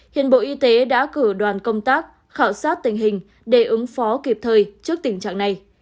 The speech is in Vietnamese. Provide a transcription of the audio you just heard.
hiện bộ y tế đã cử đoàn công tác khảo sát tình hình để ứng phó kịp thời trước tình trạng này